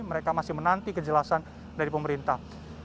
mereka masih menanti kejelasan dari pemerintah